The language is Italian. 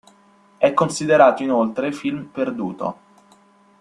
È considerato inoltre film perduto.